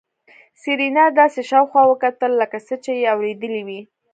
سېرېنا داسې شاوخوا وکتل لکه څه چې يې اورېدلي وي.